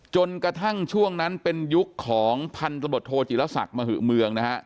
จนกระทั่งช่วงนั้นเป็นยุคของพันธบทโทจิลศักดิ์มหือเมืองนะฮะ